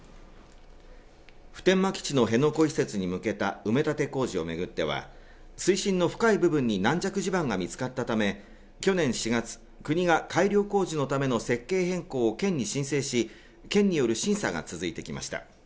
普天間基地の辺野古移設に向けた埋め立て工事をめぐっては水深の深い部分に軟弱地盤が見つかったため去年４月国が改良工事のための設計変更を県に申請し県による審査が続いてきました